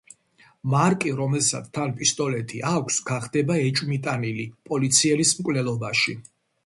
მარკი, რომელსაც თან პისტოლეტი აქვს, გახდება ეჭვმიტანილი პოლიციელის მკვლელობაში.